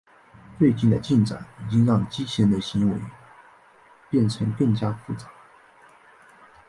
最近的进展已经让机器人的行为变成更加复杂。